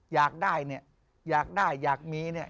อยากได้เนี่ยอยากมีเนี่ย